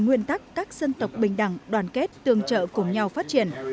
nguyên tắc các dân tộc bình đẳng đoàn kết tương trợ cùng nhau phát triển